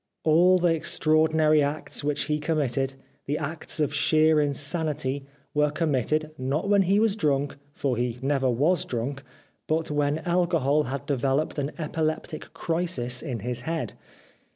All the extraordinary acts which he committed, the acts of sheer in sanity, were committed, not when he was drunk, for he never was drunk, but when alcohol had developed an epileptic crisis in his head.